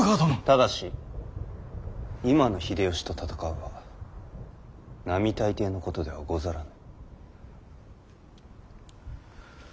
ただし今の秀吉と戦うは並大抵のことではござらぬ。